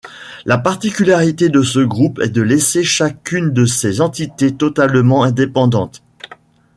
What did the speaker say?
La particularité de ce groupe est de laisser chacune de ses entités totalement indépendante.